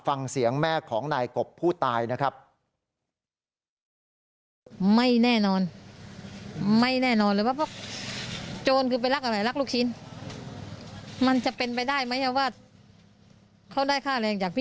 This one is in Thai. ฟังเสียงแม่ของนายกบผู้ตายนะครับ